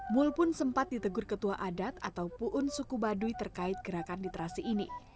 mul pun sempat ditegur ketua adat atau puun suku baduy terkait gerakan literasi ini